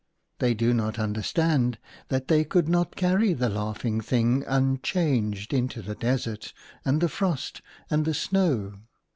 ' They do not un derstand that they could not carry the laughing thing unchanged into the desert, and the frost, and the snow.